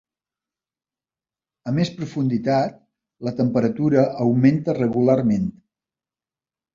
A més profunditat, la temperatura augmenta regularment.